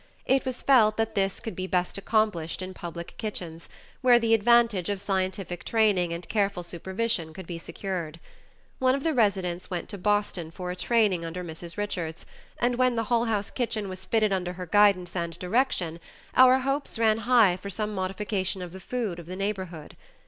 It was felt that this could be best accomplished in public kitchens, where the advantage of scientific training and careful supervision could be secured. One of the residents went to Boston for a training under Mrs. Richards, and when the Hull House kitchen was fitted under her guidance and direction, our hopes ran high for some modification of the food of the neighborhood.